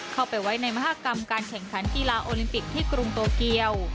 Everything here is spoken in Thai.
เข้าไปไว้ในมหากรรมการแข่งขันกีฬาโอลิมปิกที่กรุงโตเกียว